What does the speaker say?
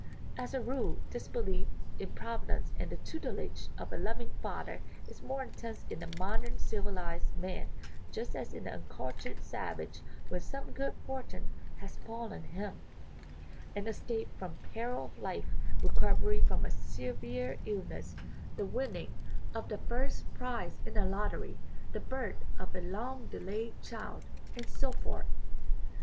As a rule, this belief in Providence and the tutelage of a "loving Father" is more intense in the modern civilized man just as in the uncultured savage when some good fortune has fallen him: an escape from peril of life, recovery from a severe illness, the winning 272 THE UNITY OF NATURE of the first prize in a lottery, the birth of a long delayed child, and so forth.